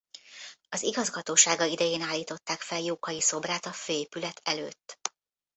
Az igazgatósága idején állították fel Jókai szobrát a főépület előtt.